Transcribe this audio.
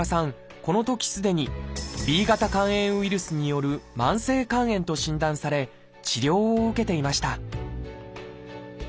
このときすでに「Ｂ型肝炎ウイルスによる慢性肝炎」と診断され治療を受けていました